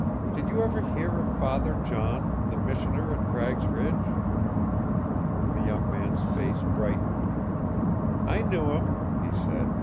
Did you ever hear of Father John, the Missioner at Cragg's Ridge?" The young man's face brightened. "I knew him," he said.